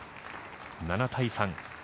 ７対３。